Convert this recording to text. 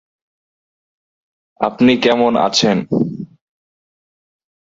সারদা দেবীর পৈতৃক বাড়িতে এই পূজার আয়োজন করে রামকৃষ্ণ মিশন।